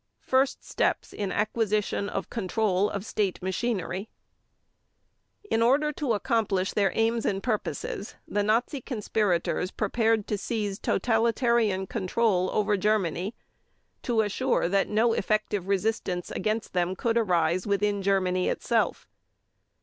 First steps in acquisition of control of State machinery. In order to accomplish their aims and purposes, the Nazi conspirators prepared to seize totalitarian control over Germany to assure that no effective resistance against them could arise within Germany itself.